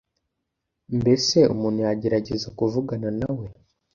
mbese umuntu yagerageza kuvugana nawe